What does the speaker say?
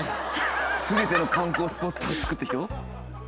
全ての観光スポットを造った人？